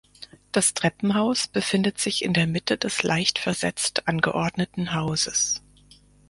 Das Treppenhaus befindet sich in der Mitte des leicht versetzt angeordneten Hauses.